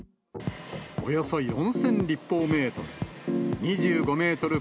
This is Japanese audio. およそ４０００立方メートル、２５メートル